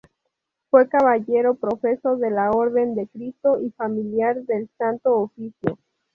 Fue caballero profeso de la Orden de Cristo y familiar del Santo Oficio.